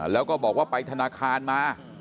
แล้วก็บอกว่าไปธนาคารมา